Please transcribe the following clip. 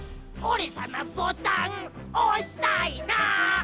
おれさまボタンおしたいな。